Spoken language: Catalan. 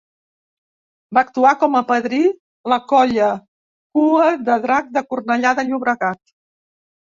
Va actuar com a padrí la colla Cua de Drac de Cornellà de Llobregat.